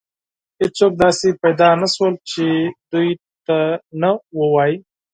هیڅوک داسې پیدا نه شول چې دې ته نه ووایي.